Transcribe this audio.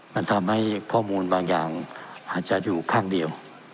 มันทำให้ข้อมูลบางอย่างอาจจะอยู่ข้างเดียว